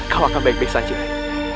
kau akan baik baik saja